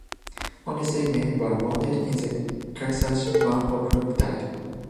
Only three men were wounded in the "Kearsarge", one of whom died.